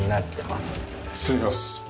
失礼します。